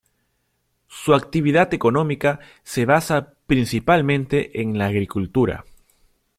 Su actividad económica se basa principalmente en la agricultura.